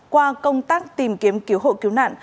qua công tác tìm kiếm cứu hộ cứu nạn